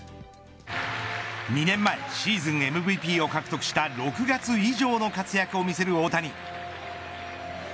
２年前シーズンＭＶＰを獲得した６月以上の活躍を見せる大谷。